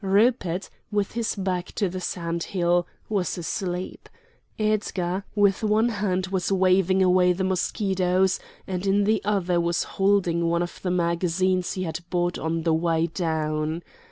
Rupert, with his back to the sand hill, was asleep. Edgar with one hand was waving away the mosquitoes and in the other was holding one of the magazines he had bought on the way down.